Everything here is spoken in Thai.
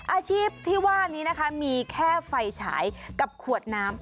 อาชีพที่ว่านี้นะคะมีแค่ไฟฉายกับขวดน้ำ